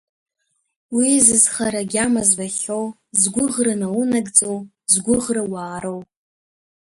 Уи зызхара агьама збахьоу, згәыӷра наунагӡоу, згәыӷра уаароу.